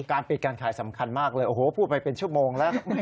การปิดการขายสำคัญมากเลยโอ้โหพูดไปเป็นชั่วโมงแล้ว